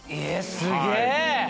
すげえ！